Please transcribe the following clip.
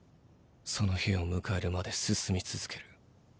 その日を迎えるまで進み続ける。